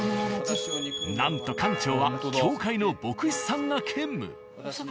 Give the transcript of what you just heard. なんと館長は教会の牧師さんが兼務。